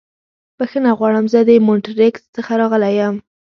بښنه غواړم. زه د مونټریکس څخه راغلی یم.